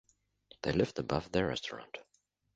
They lived above their restaurant.